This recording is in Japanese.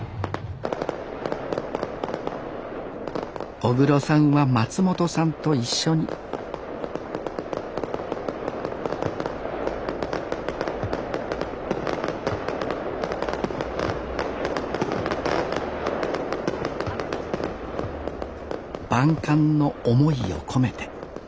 小黒さんは松本さんと一緒に万感の思いを込めて。